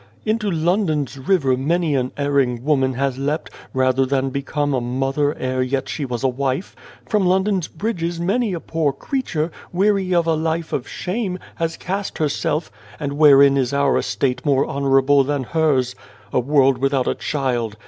"Into London's river many an erring woman has leapt, rather than become a mother ere yet she was a wife. From London's bridges many 281 A World a poor creature, weary of a life of shame, has cast herself, and wherein is our estate more honourable than hers? A world without a child